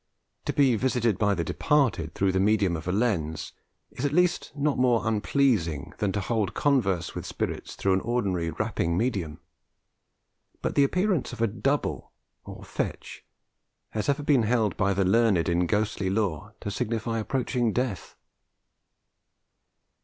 To be visited by the departed through the medium of a lens, is at least not more unpleasing than to hold converse with spirits through an ordinary 'rapping' medium. But the appearance of a 'double,' or 'fetch,' has ever been held by the learned in ghostly lore to signify approaching death.